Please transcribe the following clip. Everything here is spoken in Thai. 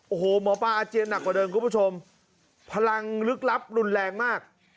โอ้โหหมอปลาอาเจียนหนักกว่าเดิมคุณผู้ชมพลังลึกลับรุนแรงมาก